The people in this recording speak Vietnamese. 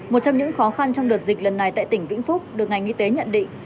một trong những khó khăn trong đợt dịch lần này tại tỉnh vĩnh phúc được ngành y tế nhận định